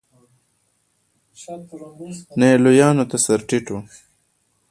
نه یې لویانو ته سر ټيټ و.